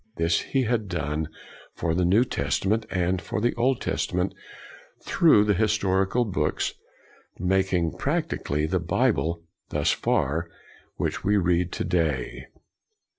This he had done for the New Testament and for the Old Testament through the historical books, making practically the Bible, thus far, which we read to day.